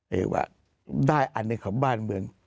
เรียกว่าได้อันหนึ่งของบ้านเมือง